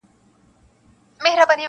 لا طبیب نه وو راغلی د رنځور نصیب تر کوره-